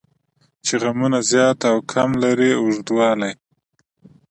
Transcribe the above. چې غمونه زیات او کم لري اوږدوالی.